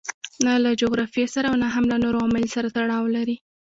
نه له جغرافیې سره او نه هم له نورو عواملو سره تړاو لري.